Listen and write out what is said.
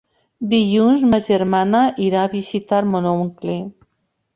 Dilluns ma germana irà a visitar mon oncle.